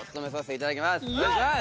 お願いします！